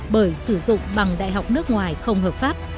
bởi sử dụng bằng đại học nước ngoài không hợp pháp